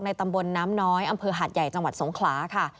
ตำบลน้ำน้อยอำเภอหาดใหญ่จังหวัดสงขลาค่ะ